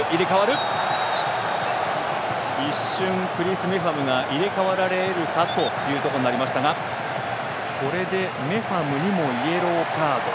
一瞬、クリス・メファムが入れ代わられるかとなりましたがこれで、メファムにもイエローカード。